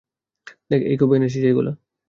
দেখ, এই, কবে কিনেছিস এগুলা?